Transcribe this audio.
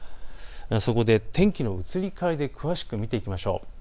そこで天気の移り変わり詳しく見ていきましょう。